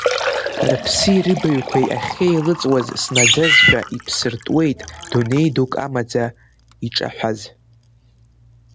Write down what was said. Рыԥси рыбаҩқәеи ахьеилыҵуаз снаӡазшәа, иԥсыртуеит дунеи дук амаӡа иҿаҳәаз.